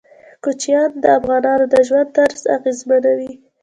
کوچیان د افغانانو د ژوند طرز اغېزمنوي.